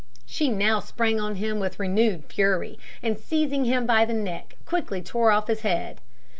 She now sprang on him with renewed fury, and seizing him by the neck, quickly tore off his head.